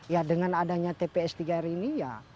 ya dengan adanya tps tiga r ini ya